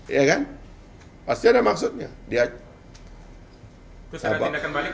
iya kan pasti ada maksudnya